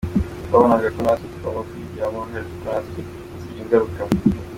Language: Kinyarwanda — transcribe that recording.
Twabonaga ko natwe tugomba kubigiramo uruhare kuko natwe bizatugiraho ingaruka.